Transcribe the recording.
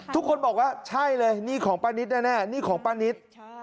ทุกคนบอกว่าใช่เลยนี่ของป้านิตแน่นี่ของป้านิต